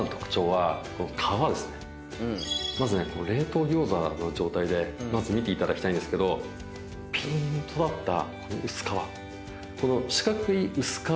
まずね冷凍餃子の状態で見ていただきたいんですけどピーンとなったこの薄皮。